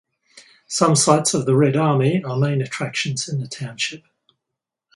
Some sites of the Red Army are main attractions in the township.